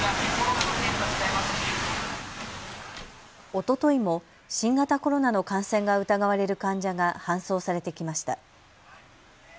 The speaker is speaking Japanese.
おとといも新型コロナの感染が疑われる患者が搬送されてきました。